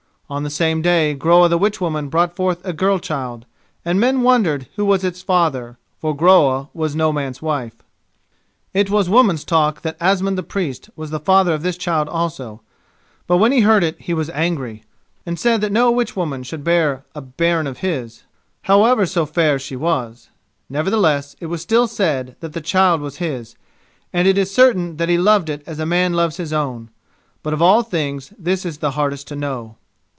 On the same day, Groa the witchwoman brought forth a girl child, and men wondered who was its father, for Groa was no man's wife. It was women's talk that Asmund the Priest was the father of this child also; but when he heard it he was angry, and said that no witchwoman should bear a bairn of his, howsoever fair she was. Nevertheless, it was still said that the child was his, and it is certain that he loved it as a man loves his own; but of all things, this is the hardest to know.